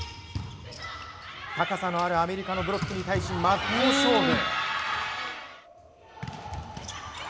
高さのあるアメリカのブロックに対し、真っ向勝負。